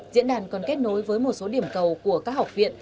diễn đàn còn kết nối với một số điểm cầu của các học viện